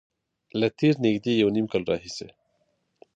له تېر نږدې یو نیم کال راهیسې